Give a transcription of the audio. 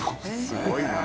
すごいな。